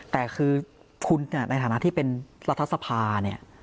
แต่คือคุณในฐานะที่เป็นรัฐสภาเนี่ย